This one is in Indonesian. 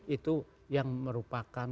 itu yang merupakan